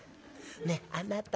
ねえあなた。